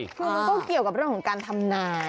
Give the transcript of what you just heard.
คือมันก็เกี่ยวกับเรื่องของการทำนาย